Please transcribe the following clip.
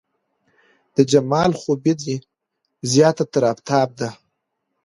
د جمال خوبي دې زياته تر افتاب ده